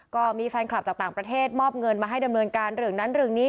ก็มีแฟนคลับจากต่างประเทศมอบเงินมาให้ดำเนินการเรื่องนั้นเรื่องนี้